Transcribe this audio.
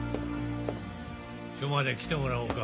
署まで来てもらおうか。